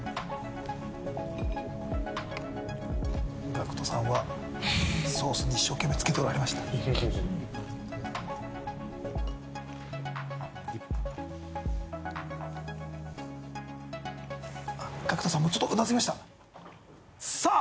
ＧＡＣＫＴさんはソースに一生懸命つけておられましたＧＡＣＫＴさんもちょっとうなずきましたさあ